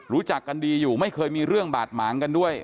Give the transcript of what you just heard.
รู้จักกันดีอยู่ไม่เคยมีเรื่องบาดหมางกันด้วย